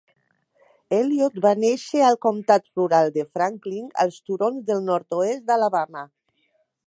Elliott va néixer al comtat rural de Franklin, als turons del nord-oest d'Alabama.